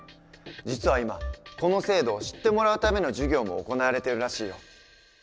実は今この制度を知ってもらうための授業も行われてるらしいよ。